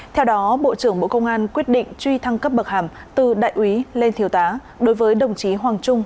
theo đó bộ trưởng bộ công an quyết định truy thăng cấp bậc hàm từ đại úy lên thiếu tá đối với đồng chí hoàng trung